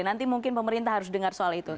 nanti mungkin pemerintah harus dengar soal itu